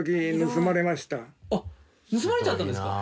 盗まれちゃったんですか？